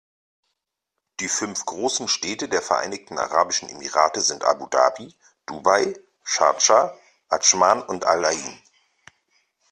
Die fünf großen Städte der Vereinigten Arabischen Emirate sind Abu Dhabi, Dubai, Schardscha, Adschman und Al-Ain.